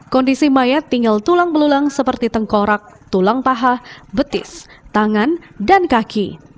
kondisi mayat tinggal tulang belulang seperti tengkorak tulang paha betis tangan dan kaki